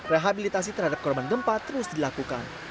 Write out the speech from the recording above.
rehabilitasi terhadap korban gempa terus dilakukan